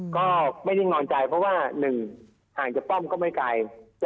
ก็ไม่ได้นิ่งนอนใจเพราะว่า๑ห่างจากป้อมก็ไม่ไกล